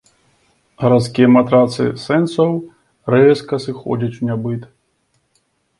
Гарадскія матрыцы сэнсаў рэзка сыходзяць у нябыт.